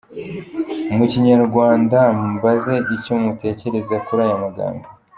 Mu Kinyarwanda mbaze icyo mutekereza kuri aya magambo :